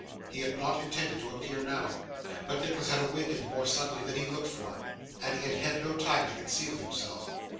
He had not intended to appear now, but Nicholas had awakened more suddenly than he looked for, and he had had no time to conceal himself.